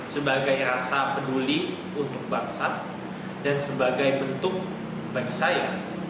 sebagai rasa peduli untuk bangsa dan sebagai bentuk bagi saya